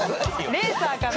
レーサーかな。